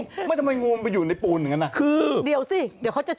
ทำไมงูมันไปอยู่ในปูนอย่างนั้นอ่ะคือเดี๋ยวสิเดี๋ยวเขาจะ